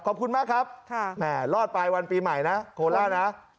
ขอบคุณมากครับรอดปลายวันปีใหม่นะโคล่านะค่ะค่ะ